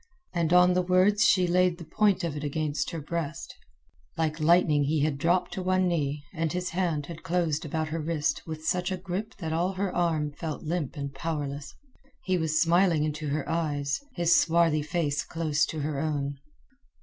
And on the words she laid the point of it against her breast. Like lightning he had dropped to one knee, and his hand had closed about her wrist with such a grip that all her arm felt limp and powerless. He was smiling into her eyes, his swarthy face close to her own.